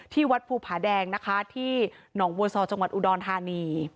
ที่วัดภูผาแดงที่หนองวัวซอร์จังหวัดอุดรธานี